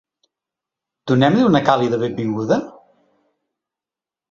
Donem-li una càlida benvinguda?